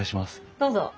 どうぞ。